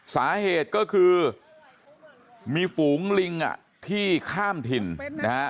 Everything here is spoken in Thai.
สาเหตุก็คือมีฝูงลิงอ่ะที่ข้ามถิ่นนะฮะ